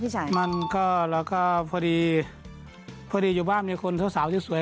สุดท้ายก็ออกมาเป็นสองหุ่นนี้